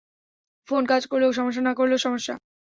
Phone কাজ করলেও সমস্যা না করলেও সমস্যা।